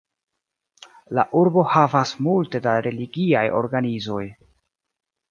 La urbo havas multe da religiaj organizoj.